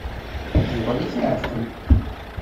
Ad yuɣal ad itεeqqel.